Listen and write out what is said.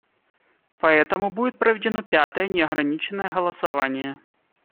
Поэтому будет проведено пятое неограниченное голосование.